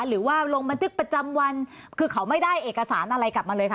หรือว่าลงบันทึกประจำวันคือเขาไม่ได้เอกสารอะไรกลับมาเลยค่ะ